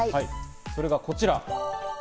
それがこちら！